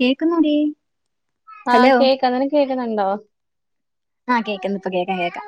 കേക്കുന്നോ ടീ ആ കേക്കാം നിനക്ക് കേക്കുന്നുണ്ടോ ആഹ് കേക്കാം ഇപ്പം കേൾക്കാം കേക്കാം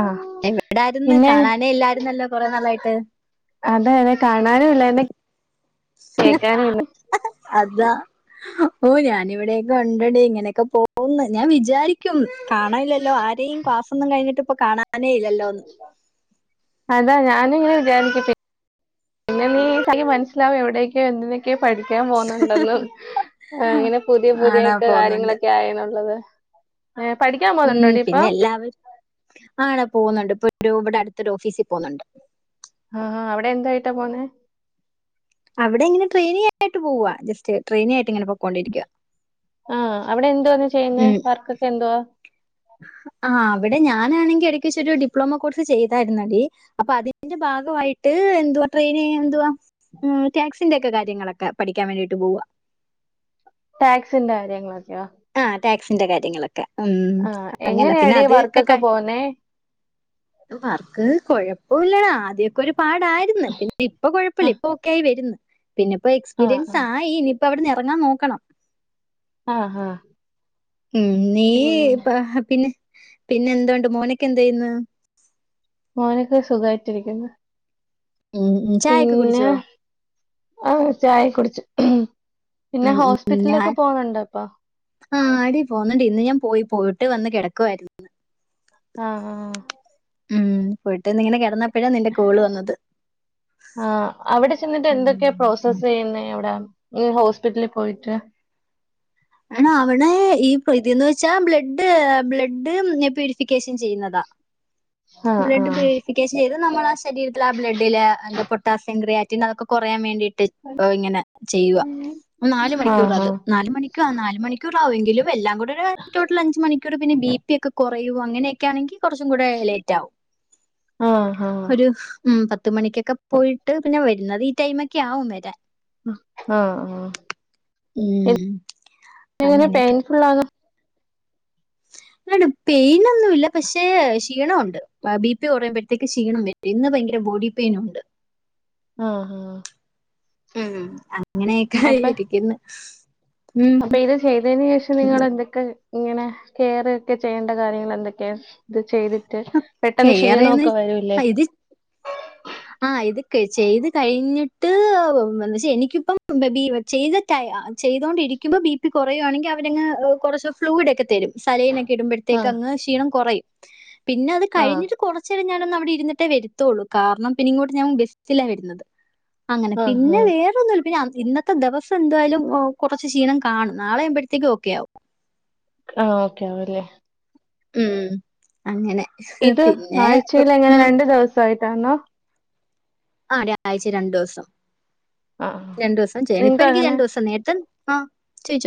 ആഹ് എവിടായിരുന്ന് പിന്നെ കാണാനേ ഇല്ലായിരുന്നല്ലോ കൊറെ നാളായിട്ട് അതെ അതെ കാണാനും ഇല്ലായിരുന്ന് എന്ന- അതാ ഓ ഞാനിവിടെയൊക്കെ ഉണ്ടെടി ഇങ്ങനെയൊക്കെ പോകുന്നു ഞാൻ വിചാരിക്ക- വിചാരിക്കും കാണാനില്ലല്ലോ ആരെയും ക്ലാസ്സൊന്നും കഴിഞ്ഞിട്ടിപ്പം കാണാനേ ഇല്ലല്ലോന്ന് അതാ ഞാനും ഇങ്ങനെ വിചാരിച്ച് പിന്നെ നീ മനസ്സിലാവും എവിടേക്കോ എന്തിന - പഠിക്കാൻ പോന്നുണ്ടെന്നും അങ്ങനെ പുതിയ ആണോ പുതിയൊക്കെ പോകുന്നുണ്ട് കാര്യങ്ങളൊക്കെ ആയ എന്നുള്ളത് ഉം പിന്നെ എല്ലാവരും ആണോ പോകുന്നുണ്ട്- ഒരുവിടെ അടുത്തൊരു ഓഫീസിൽ പോകുന്നുണ്ട് ആ ആ അവിടെ എന്തായിട്ടാ പോന്നേ അവിടെ എങ്ങനെ ട്രെയിനി ആയിട്ട് പോകുവാ ജസ്റ്റ് ട്രയിനി ആയിട്ട്ഇങ്ങനെ പോയികൊണ്ട് ഇരിക്കുകയാ ആ അവിടെ എന്തുവാന്ന് ചെയ്യുന്നേ വർക്കൊക്കെ എന്തുവാ ആ അവിടെ ഞാനാണെങ്കിൽ എടക്ക് വച്ച ഒരു ഡിപ്ലോമ കോഴ്സ് ചെയ്തിരുന്നടീ അപ്പൊ അതിന്റെ ഭാഗമായി ആയിട്ട് എന്തുവാ ട്രെയിനി എന്തുവാ ടാക്സിന്റെ ഒക്കെ കാര്യങ്ങളൊക്കെ പഠിക്കാൻ വേണ്ടിട്ട് പോവ ടാക്സിന്റെ കാര്യങ്ങളൊക്കെയാ ടാക്സിന്റെ കാര്യങ്ങളൊക്കെ ഉം അങ്ങനെ പിന്നെ എങ്ങനെയാടി അതൊക്കെ വർക്കൊക്കെ കഴി പോന്നേ വർക്ക് [unintelligible] കുഴപ്പ ഓ ഇല്ലടാ ആദ്യൊക്കെ ഒരു പാടായിരുന്നു പിന്നെ ഇപ്പൊ കുഴപ്പമില്ല ആഹ് ഇപ്പൊക്കെ ഒക്കെആയി വരുന്നു പിന്നെ ഇപ്പോ എക്സ്പീരിയൻസ് ആഹ് ആയി ഇനിയിപ്പം അവിടെ നിന്ന് ഇറങ്ങാൻ നോക്കണം ആഹ ആഹ് ഉം നീ പിന്നെ പിന്നെ പിന്നെ എന്തുണ്ട് മോനൊക്കെ എന്ത് ചെയ്യുന്ന് മോനക്ക് സുഖമായിട്ടിരിക്കുന്നു ഉം ഉം ചായയൊക്കെ പിന്നെ കുടിച്ചോ? ആ ചായ കുടിച്ചു പിന്നെ ഉ ഉ ഹോസ്പിറ്റലിലൊക്കെ ഞാൻ പോണുണ്ടോ ഇപ്പൊ ആടി പോന്നടീ ഇന്ന് ഞാൻ പോയി പോയിട്ട് വന്ന് കിടക്കുവായിരുന്നുന്ന് ആഹ ആഹ് ഉം പോയിട്ട് വന്നിങ്ങനെ കിടന്നപ്പോഴാ നിന്റെ കോള് വന്നത് ആ അവിടെ ചെന്നിട്ട് ഉം. എന്തൊക്കെയാ പ്രോസസ്സ് ചെയ്യുന്ന വിടാ? ങ്‌ ഹോസ്പിറ്റലിൽ പോയിട്ട് ആ അവിടേ ഇ പിന്നെ ന്ന് വെച്ചാ ബ്ലഡ്, ബ്ലഡ് പ്യൂരിഫിക്കേഷൻ ചെയ്യുന്നതാ. ആ ആ ബ്ലഡ് പ്യൂരിഫിക്കേഷൻ ചെയ്ത നമ്മള ആ ശരീരത്തില ആ ബ്ലഡിലെ പൊട്ടാസിയം, ക്രിയാറ്റിൻ അതൊക്കെ കൊറയാൻ വേണ്ടിട്ട് പോ ഇങ്ങനെ ചെയ്യുക. ആ നാല് മണിക്കൂറാ അത്. നാല് മണിക്കൂർ നാല് മണിക്കൂറാ വെങ്കിലും എല്ലാം കൂടെ ഒരു ടോട്ടൽ അഞ്ച് മണിക്കൂർ പിന്നെ ബി പി ഒക്കെ കുറഞ് കുറയുവോ അങ്ങനൊക്കെ ആണെങ്കി കുറചുംകൂടെ ലേറ്റാവും. ആ ആ ഒരു മ് പത്ത് പത്ത് മണിക്കൊക്കെ പോയിട്ട് പിന്നെ വരുന്നത് ഈ ടൈമൊക്കെയാവും വരാൻ. ആഹ ആ ആ ഉം എങ്ങനെ അങ്ങനെയൊക്കെ. പെയിൻഫുളാന്നോ? [inaudible] പെയിനൊന്നൂല്ല. പക്ഷേ ക്ഷീണ ഒണ്ട് അ ബി പി കുറയുമ്പോഴത്തേക്ക് ക്ഷീണം വരും ഇന്ന് ഭയങ്കര ബോഡി പെയിനുണ്ട്. ആഹ ആഹാ ഉം. അങ്ങനെയൊക്കെയായിരിക്കുന്ന്. അപ്പൊ ഇത് ചെയ്തതിനേഷം നിങ്ങ ന്തൊക്കെ ഇങ്ങനെ കെയർ ഒക്കെ ചെയ്യേണ്ട കാര്യങ്ങൾ എന്തൊക്കെയാ ഇത് ചെയ്തിട്ട് പെട്ടന്ന് കെയറീന്ന് ക്ഷീണൊക്കെ വരൂല്ലേ? ആഹ് ഇതക്കെ ചെയ്ത് കഴിഞ്ഞിട്ട് വ വ ന്ന്വെച്ച എനിക്കിപ്പം ബെ ബി ചെയ്ത് കഴിഞ്ഞ് അ ചെയ്തുകൊണ്ടിരിക്കുമ്പോ ബി പി കുറയുവാണങ്കി അവരങ് ഇ കുറച്ച് ഫ്ലൂയിഡ് ഒക്കെ തരും. സലൈനൊക്കെ ആ ഇടുമ്പഴത്തേക്ക് അങ്ങ് ക്ഷീണം കൊറയും. പിന്നെ അത് ആ കഴിഞ്ഞിട്ട് കൊറച്ചേരം ഞാനൊന്ന് അവിടെ ഇരിന്നിട്ടെ വരത്തൊള്ളൂ. കാരണം പിന്ന ഇങ്ങോട്ട് ഞാൻ ബെസ്സിലാ വരുന്നത്. അങ്ങനെ ആ പിന്നെ ആ വേറെൊന്നുമി പിന്നെ ഇന്നത്തെ ദിവസം എന്തുവായാലും ഓ കൊറച്ചു ക്ഷീണം കാണും. നാളെയാവു മ്പഴത്തേക്കും ഓക്കെ യാവും. ആഹ ഓക്കെ ആവുല്ലേ? ഉം അങ്ങനെ. ഇത്. പിന്നെ ആഴ്ചയിൽ അങ്ങനെ ഉം. രണ്ടു ദിവസയിട്ടാണോ? ആ രാഴ്ച രണ്ടൂസം. ആ രണ്ടൂസം ചെയ്യണം, ഇപ്പ നിങ്ങൾക്ക് എനിക്ക് അങ്ങനെ രണ്ടൂസം നേര ത്തെ ആഹ ചോയ്ച്ച.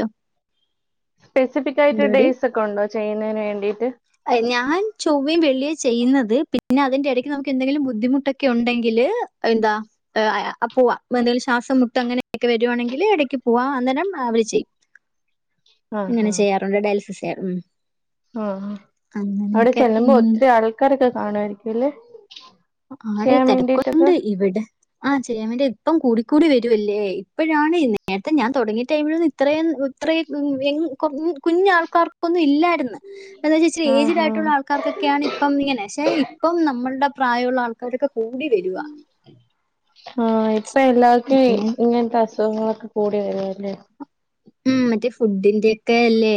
സ്പെസഫിക് ആയിട്ട് ഡേയ്സ് ഒക്കെ ഉണ്ടോ ചെയ്യുന്നതിന് വേണ്ടി? അയ് ഞാൻ ചൊവ്വയും വെിള്ളിയാ ചെയ്യുന്നത്. പിന്നെ അതിന്റെ എടക്ക് നമുക്ക് എന്തെങ്കിലും ബുദ്ധിമുട്ടൊക്കെ ഉണ്ടെങ്കില് ല് എന്താ അ പൂവ, എന്ടെങ്കിലും ശ്വാസം മുട്ട് അങ്ങനെയൊക്കെ വരുവാണെങ്കിൽ ഇടക്ക് പോവാ അന്നേരം മ് അവര് ചെയ്യും. [inaudible] ആഹ് അങ്ങനെ ചെയ്യാറുണ്ട് ഡയാലിസിസ് ചെയ്യറ് ഉം. ആഹ. അവിടെ അങ്ങനെയൊക്കെ. ചെല്ലുമ്പോ ഉം. ഒത്തിരി ആൾക്കാരൊക്കെ കാണുവായിരിക്കും ല്ലേ? ആടെ തെരക്കൊണ്ട്. ഇവിടെ ആ് ചെയ്യാൻ വേണ്ടിയ ഇപ്പം കൂടി കൂടി കൂടി വരുവല്ലേ? ഇപ്പഴാണ് നേരത്തെ ഞാൻ തുടങ്ങിയെ ടൈമിലൊന്നും ഇത്രയും ഇത്രേം എങ്ങും കുറഞ്ഞ കുഞ്ഞാൾക്കാർക്കൊന്നും ഇല്ലാര്ന്ന്. എന്താജാര്ച്ചാൽ ആഹ് എയ്ജ്ഡ് ആയിട്ടുള്ള ആഹ് ആൾക്കാർക്കൊക്കെയാണിപ്പം ഇങ്ങനെ പക്ഷെ ഇപ്പം നമ്മളുടെ പ്രായമുള്ള ആൾക്കാരൊക്കെ കൂടി വരുവാ ആഹ ഇപ്പൊ എല്ലാവർക്കും ഇങ്ങനത്തെ അസു അസുഖങ്ങളൊക്കെ കൂടി വരുവാരുന്ന് ഉം മറ്റേ ഫുഡിന്റെ ഒക്കെ ല്ലേ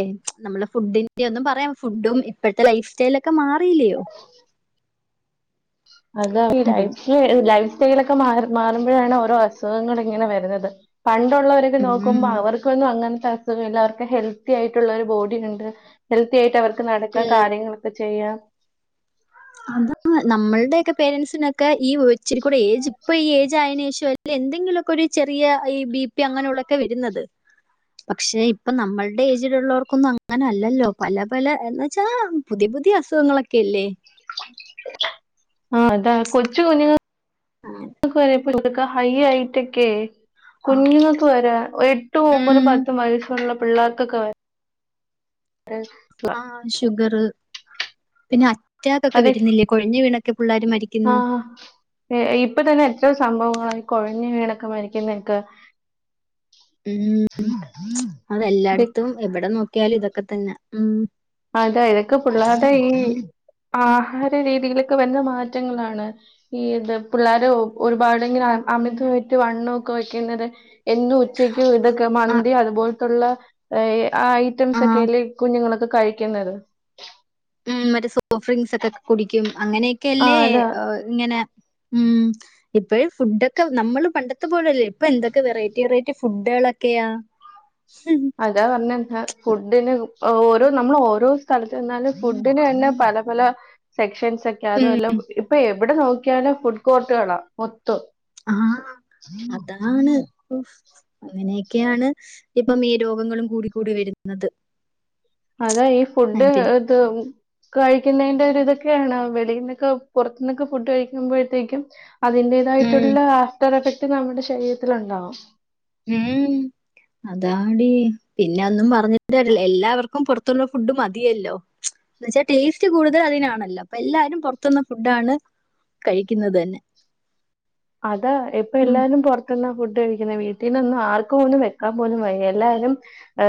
നമ്മളെ ഫുഡിന്റെ ഒന്നും പറയാം, ഫുഡും ഇപ്പഴത്തെ ലൈഫ് സ്റ്റൈലും ഒക്കെ മാറില്ലയോ? അത അതിന് ലൈഫ് ലൈഫ്സ് യിലൊക്കെ മാ മാറുമ്പോഴാണ് ഓരോ അസുഖങ്ങള ഇങ്ങനെ വരുന്നത് പണ്ടുള്ളവരൊക്കെ നോക്കുമ്പോൾ ഉം അവർക്കൊന്നും അങ്ങനത്തെ അസുഖല്ല അവർക്ക് ഹെൽത്തി ആയിട്ടുള്ള ഒരു ബോഡി ഉണ്ട് ഹെൽത്തി ആയിട്ട് അവർക്ക് നടക്കൻ കാര്യങ്ങളൊക്കെ ചെയ്യ അതാ നമ്മൾടെയൊക്കെ പേരന്റ്സിനൊക്കെ ഈ ഒച്ചരിക്കൂടെ ഏജ് ഇപ്പൊ ഈ ഏജ് ആയേന് ശേഷ് ഇഷ്യു അല്ലെങ്കി എന്തെങ്കിലൊക്കെ ഒരു ചെറിയ ഈ ബി പി അങ്ങനെയൊള്ളൊക്കെ വരുന്നത് പക്ഷെ ഇപ്പൊ നമ്മൾടെ ഏജിലുള്ളവർക്കൊന്നും അങ്ങനെ അല്ലല്ലോ പല പല എന്ന് വെച്ചാ പുതിയ പുതിയ അസുഖങ്ങളൊക്കെ അല്ലേ ആഹ് അതാ കൊച്ചു കുഞ്ഞ്ങ്ങ ങ്ങക്ക് വരെ ഇപ് [unintelligible] ഹൈ ആയിറ്റെക്കെയെ കുഞ്ഞുങ്ങക്ക് വരെ ഒ എട്ടും ഒമ്പതും ഉം. പത്തും വയസ്സൊള്ള പിള്ളേർക്കൊക്കെ വെര ആഹ് ഷുഗറ് പിന്നെ റ്റാക്കൊക്കെ അതെ വെരുന്നില്ലേ കൊഴഞ്ഞ് വീണൊക്കെ പിള്ളേര് മരിക്കുന്ന് ഏഹ് ഇപ്പൊ തന്നെ എത്രയോ സംഭവങ്ങളാ ഈ കൊഴഞ്ഞ് വീണൊക്കെ മരിക്കുന്നെയൊക്കെ ഉം അതെല്ലായിടത്തും എവിടെ നോക്കിയാലും ഇതൊക്കെ തന്നെ ഉം അതാ ഇതൊക്കെ പിള്ളാരുടെ ഈ ആഹാര രീതിയിലൊക്കെ വരുന്ന മാറ്റങ്ങളാണ് ഈ ഇത് പിള്ളാര് ഒരുപാടിങ്ങനെ അ അമിതമായിട്ട് വണ്ണൊക്കെ വെക്കുന്നത് എന്നും ഉച്ചയ്ക്കും ഇതൊക്കെ ആഹ് മന്തി അതുപോലത്തുള്ള ഏഹ് ആ ഐറ്റംസ് ആഹ്. ഒക്കെയല്ലേ ഈ കുഞ്ഞുങ്ങളൊക്കെ കഴിക്കുന്നത് ഉം മറ്റേ സോഫ്റ്റ് ഡ്രിങ്ക്സ് ഒക്കെ കുടിക്കും. അങ്ങനെയൊക്കെയല്ലേ ആഹ് അതാ ഏഹ് ഇങ്ങനെ ഉം ഇപ്പഴ് ഫുഡൊക്കെ നമ്മള് പണ്ടത്തെ പോലല്ല ഇപ്പൊ എന്തൊക്കെ വെറൈറ്റി വെറൈറ്റി ഫുഡുകളൊക്കെയാ അതാ പറഞ്ഞെ [unintelligible] ഫുഡിന് ഓരോ നമ്മള് ഓരോ സ്ഥലത്ത് ചെന്നാലും ഫുഡിന് തന്നെ പല പല പല സെക്ഷൻസൊക്കെ അതുവല്ല ഇപ്പൊ എവിടെ നോക്കിയാലും ഫുഡ് കോർട്ടുകളാ മൊ ആഹ അതാണ് അങ്ങന ക്കെയാണ് ഇപ്പം ഈ രോഗങ്ങളും കൂടി കൂടി വരുന്നത് അതാ ഈ ഫുഡ് ആഹ് പിന്നെ ഇത് കഴി കുന്നേന്റെ ഒരിതൊക്കെയാണ് വെളിന്നൊക്കെ പുറത്തുന്നൊക്കെ ഫുഡ് കഴിക്കുമ്പോഴത്തേക്കും ഉം അതിന്റേതായിട്ടുള്ള ആഫ്റ്ററെഫക്ട്ടും നമ്മുടെ ശരീരത്തിലുണ്ടാവും ഉം അ താടി പിന്നെ ഒന്നും പറഞ്ഞിട്ട് കാര്യവില്ല എല്ലാവർക്കും പുറത്തുള്ള ഫുഡ് മതിയല്ലോ എന്നുവെച്ച ടേസ്റ്റ് കൂടുതലതിനാണല്ലോ അപ്പൊ എല്ലാരും പുറത്തുന്ന് ഫുഡാണ് കഴിക്കുന്നത് തന്നെ അതാ ഇപ്പൊ ഉം എല്ലാരും പുറത്തുന്നാ ഫുഡ് കഴിക്കുന്നെ വീ ട്ടീനൊന്നും ആർക്കും ഒന്നും വെക്കാൻ പോലും വയ്യ എല്ലാവരും അ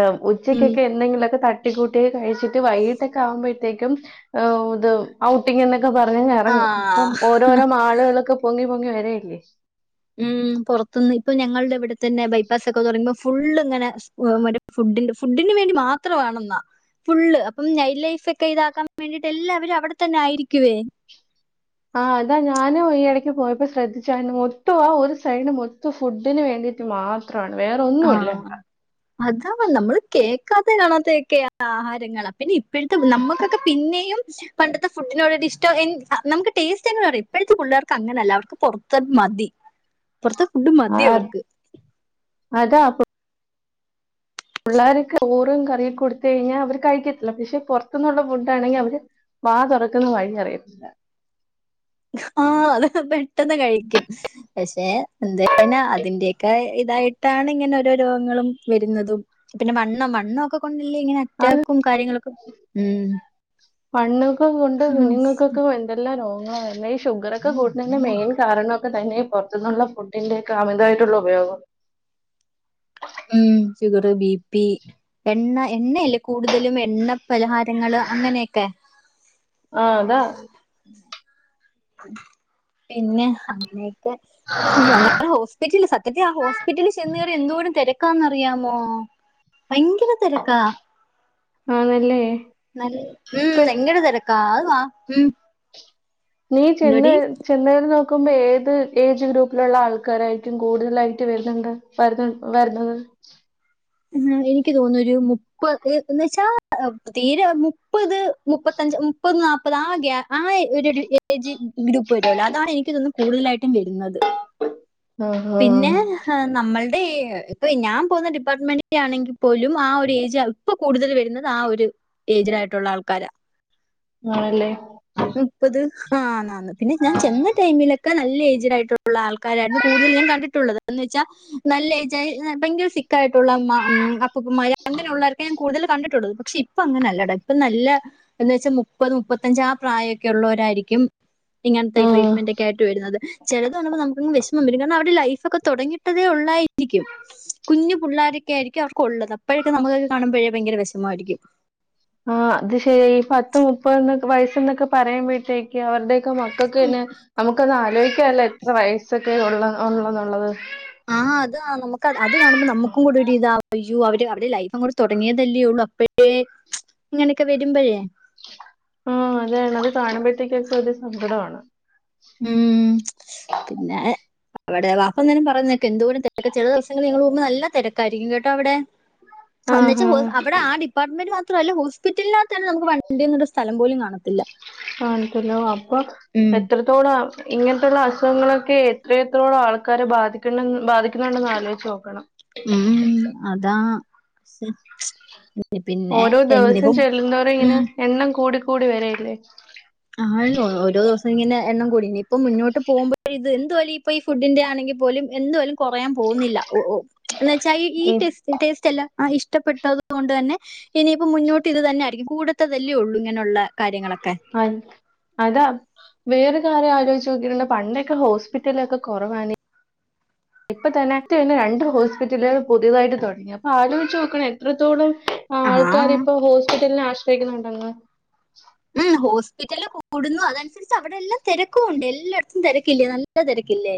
ഉം ഉച്ചക്കൊക്കെ എന്തെങ്കിലുവൊക്കെ ത ട്ടികൂട്ടി കഴിച്ചിട്ട് വൈട്ടക്കെ ആകുമ്പഴത്തേക്കും ഓ ഇത് ഔട്ടിങ്ങി ക്കെ പറഞ്ഞങ്ങിറങ്ങും ആഹ് ഇപ്പം ഓരോരോ മാളുകളൊക്കെ പൊങ്ങി പൊങ്ങി വരല്ലേ ഉം പുറത്തുന്ന് ഇപ്പൊ ഞങ്ങളുടെ ഇവിടെ തന്നെ ബൈപ്പാസൊക്കെന്ന് പറയുമ്പോ ഫുള്ളിങ്ങനെ മറ്റേ ഫു ഡിന്റെ ഫുഡിന് വേണ്ടി മാത്രവാണെന്നാ ഫുള്ള് അപ്പം നൈറ്റ് ലൈഫൊക്കെ ഇതാക്കാൻ വേണ്ടിട്ട് എല്ലാവുരും അവിടെ തന്നെ ആയിരിക്കുവേ ആ അതാ ഞാനും ഈ ഇടക്ക് പോയപ്പോ ശ്രദ്ധിച്ചാരുന്നു മൊത്തം ആ ഒരു സൈഡ് മൊത്തം ഫുഡിന് വേണ്ടി ട്ട് മാത്രം ആഹ അതാവും നമ്മള് കേ ക്കാതേം കാണാത്തയൊക്കെ ആഹാരങ്ങള പിന്നെ ഇപ്പോഴത്തെ നമ്മക്കൊക്കെ പിന്നെയും പണ്ടത്തെ ഫുഡിനോടൊരിഷ്ടം എൻ നമുക്ക് ടേസ്റ്റെങ്കിലും അറിയാം ഇപ്പോഴത്തെ പിള്ളേർക്കങ്ങനല്ല അവർക്ക് പുറത്തന്ന് മതി പുറത്തെ ഫുഡ് മതി ആത് അവർക്ക് അതാപ്പം പിള്ളേരക്ക് ഓറും കറിയും കൊടുത്ത് കഴിഞ്ഞാ അവര് കഴിക്കത്തില്ല പക്ഷെ പുറത്തുന്നുള്ള ഫുഡാണെങ്കി അവര് വാ തുറക്കന്ന് വഴിയറിയത്തില്ല. ആ ആ അത് പെട്ടെന്ന് കഴിക്കും. പക്ഷെ എന്തെഞ്ഞാ അതിന്റെക്കെ ഇതായിട്ടാണ് ഇങ്ങനെ ഓരോ രോഗങ്ങളും വരുന്നതും പിന്നെ വണ്ണം. വണ്ണോക്കെ കൊണ്ട്‌ ഇല്ല ങ്ങനെ ആ അറ്റാക്കും കാര്യങ്ങളൊക്കെ ഉം പണ്ണൊക്കെ കൊണ്ട് കുഞ്ഞുങ്ങൾക്കൊക്കെ എന്തെല്ലാം രോഗ അല്ല ഈ ഷുഗറൊക്കെ കൂട്ടുന്നതിന് മെയിൻ കാരണൊക്കെ തന്നെ. പൊർത്ത്ന്നുള്ള ഫുഡിന്റെക്ക അമിതമായിട്ടുള്ള ഉപയോഗാ [unintelligible] ഉം ഷുഗറ് ബി പി എണ്ണ എണ്ണഎല്ലേ കൂടുതലും എണ്ണ പലഹാരങ്ങള്. അങ്ങനെയൊക്കെ ആ അതാ പിന്നെ അങ്ങനെയെ [unintelligible] ഹോസ്പിറ്റലിൽ സത്യത്തിൽ ആ ഹോസ്പിറ്റലിൽ ചെന്ന് കേറിയ എന്തോരം തെര [unintelligible] ഭയങ്കര തെരക്കാ ആന്നല്ലേ നൽ ഉം ഭയങ്കര തെരക്കാ അത് ഉം നീ ചെന്ന് എന്തോടി ചെന്നായ്ര്ന്നോ ക്കുമ്പോ ഏത് ഏജ് ഗ്രൂപ്പിലുള്ള ആൾക്കാരായിരിക്കും കൂടുതലായിട്ട് വരുന്നുണ്ട് വര്ന്ന് വര്ന്നത് ഉം എനിക്ക് തോന്നുന്നു ഒരു മുപ്പത് എന്ന്ച്ചാ തീരെ മുപ്പത് മുപ്പത്തഞ്ച് മുപ്പത് നാപ്പത് ആ ഗ്യാ ആ ഒരു ടി ഏജ് ഗ്രൂപ്പ് വരല്ലോ അതാണ് എനിക്കിതൊന്നുന്നു കൂടുതലായിട്ടും വെരുന്നത് ആഹാ പിന്നെ ഹ് നമ്മൾ [inaudible] ഇപ്പൊ ഞാൻ പോകുന്ന ഡിപ്പാർട്ട്മെന്റ ആണെങ്കിൽ പോലും ആ ഒരു ഏജ് ഇപ്പൊ കൂടുതൽ വരുന്നത് ആ ഒരു ഏജിലായിട്ടുള്ള ആൾക്കാരാ ആണല്ലേ മുപ്പത് ഹാ ആന്ന് പിന്നെ ഞാൻ ചെന്ന ടൈമിലൊക്ക നല്ല ഏജ്ഡ് ആയിട്ടുള്ള ആൾക്കാരായിരുന്നു കൂടുതൽ ഞാൻ കണ്ടിട്ടുള്ളത്. എന്ന് വെച്ചാ നല്ല ഏജായി ഭയങ്കര സ്ട്രി ക്കായിട്ടുള്ള മ ഉം അപ്പൂപ്പൻമാര് അങ്ങനെ ഉളോരൊക്കെ ഞാൻ കൂടുതലും കണ്ടിട്ടുള്ളത് പക്ഷെ ഇപ്പ അങ്ങനല്ല ഡാ. ഇപ്പം നല്ല എന്ന് വെച്ചാൽ മുപ്പത് മുപ്പത്തഞ്ച് ആ പ്രായൊക്കെ ഉള്ളോരായിരിക്കും കും ഇങ്ങനത്തെ ഈ ആഹ് ട്രീറ്റ്മെന്റ് ഒക്കെ ആയി്വരുന്നത്. ചെലത്ണവന്നപ്പോ നമുക്കങ്ങ് വെശ് ഇവരിങ്ങനെ അവരുടെ ലൈഫൊക്കെ തുടങ്ങിട്ടതേ ഉള്ളായിരിക്കും കുഞ്ഞു പുള്ളാര് [unintelligible] നമുക്കൊക്കെ കാണുമ്പോഴേ ഭയങ്കര വിഷമായിരിക്കും ആ അത് ശരി. ഈ പത്ത് മുപ്പത് വയസ്സ്ന്നൊക്കെ പറയുമ്പോഴത്തേക്ക് അവരുടെ ക്കെ മക്കൾക്ക്ന്നെ നമുക്കന്ന് ആലോയിക്കാല്ലോ എത്ര വയസ്സൊക്കെ ഉള്ള ഉള്ളന്നുള്ളത് ആഹ് അത് നമക്കാ അത് കാണുമ്പോ നമ്മുക്കും കൂടെ ഒരി താ അയ്യോ അവര് അവരുടെ ലൈഫഅങ്ങോട്ട്‌ തൊടങ്ങിയതല്ലേ ഉള്ളൂ അപ്പഴേ ഇങ്ങനെയൊക്കെ വരുമ്പയെ ആഹ്. അതെ അത്കാണുമ്പോഴത്തേക്കൊക്കെ ഒരു സങ്കടാണ് ഉം പിന്നെ അവിടെ. വാപ്പ ന്തെലും പറഞ്ഞെക്ക് എന്തോരം തെരക്ക. ചെല ദിവസങ്ങളിൽ നല്ല തെരക്കായിരിക്കും കേട്ടോ അവിടെ എന്നച്ച് ആഹ് ഹോ ആഹ് അവിടെ ആ ഡിപ്പാർട്ട്മെന്റ് മാത്രല്ല. ഹോസ്പിറ്റല്നക തന്നെ നമുക്ക് വണ്ടിനൊരു സ്ഥലം പോലും കാണത്തില്ല. ആണല്ലോ ഉം ഇങ്ങനത്തെയുള്ള അസുഖങ്ങളൊക്കെ എത്രയെത്രയ ആൾക്കാരെ ബാധിക്കണം ബാധിക്കുന്നുണ്ടെന്ന് ആലോചിച്ചു നോക്കണം ഉം [unintelligible] ഓരോ ദിവസം ഇനിയിപ്പം ഉം ചെല്ലുന്തോറുംഇങ്ങനെ എണ്ണം കൂടി കൂടി വരല്ലേ ആണെന്ന് തോന്നുന്നു. ഓരോ ദിവസങ്ങനെ എണ്ണം കൂടി. ഇപ്പം മുന്നോട്ട് പോകുമ്പോ ഇത് എന്തുവാലും ഇപ്പൊ ഈ ഫുഡിന്റെ ആണെങ്കി ങ്കിൽ പോലും എന്തലും കുറയാൻ പോകുന്നില്ല ഒ ഒ ന്ന് വെച്ചാ ഈ ടെസ് ടേസ്റ്റ്ല്ല ആ ഇഷ്ടപ്പെട്ടത് കൊണ്ട് തന്നെ ഇനിയിപ്പോ മുന്നോട്ട് ഇത് തന്നെ ആയിരിക്കും കൂടത്തതല്ലേ ഉള്ളൂ ഇങ്ങനെയുള്ള കാര്യങ്ങളൊക്കെ അ അതാ വേറെ കാര്യം ആലോയ്ച്ച് നോക്കിയിട്ടുണ്ടോ. പണ്ടൊക്കെ ഹോസ്പിറ്റലൊക്കെ കുറവാണ് ഇപ്പൊ [inaudible] തന്നെ രണ്ട് ഹോസ്പിറ്റലുകൾ പുതിയതായിട്ട് തൊടങ്ങി. അപ്പൊ ആലോയ്ച്ചോനോക്കണ എത്രത്തോളം ആൾക്കാര് ആഹ് ഇപ്പോ ഹോസ്പിറ്റലിനെ ആശ്രയിക്കുന്നുണ്ടെന്ന് ഉം ഹോസ്പിറ്റല് കൂടുന്നു അതനുസരിച്ച് അവിടെ എല്ലാം തിരക്കുണ്ട് എല്ലായിടത്തും തിരക്കില്ലേ നല്ല തിരക്കില്ലേ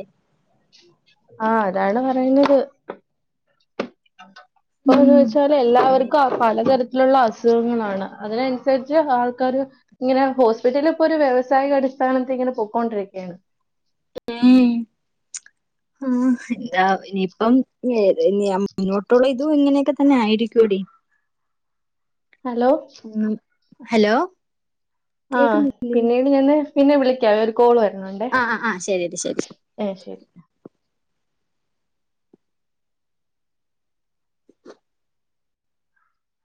ആഹ അതാണ് പറയുന്നത് അപ്പന്ന് ഉം വെച്ചാല് എല്ലാവർക്കും ആ അങ്ങനെയൊക്കെ പലതരത്തിലുള്ള അസ് സ്ഖങ്ങളാണ്. അതിനൻസരിച്ച് ആൾക്കർ ഇങ്ങനെ ഹോസ്പിറ്റല് പ്പോര് വ്യാവസായക അടിസ്ഥാനത്തി ങ്ങനെ പോക്കൊണ്ടിരിക്കാണ്. ഉം [inaudible] ആ എന്താ ഇനിയിപ്പം മുന്നോട്ടുള്ള ഇതും ഇങ്ങനെയൊക്കെ തന്നെ ആയിരിക്കും എടി ഹലോ ഉം ഹലോ ആ കേക്കുന്നു പിന്നീട് ഞാന് പിന്നെ വിളിക്ക ഒരു കോള് വര ആ ആ ആ ശരി എടി ശരി ഏ ശരി